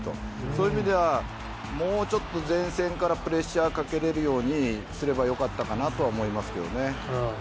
そういう意味ではもうちょっと前線からプレッシャーをかけられるようにすればよかったかなとは思いますけどね。